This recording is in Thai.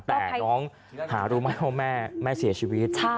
แต่น้องหารู้ไม่เอาแม่แม่เสียชีวิต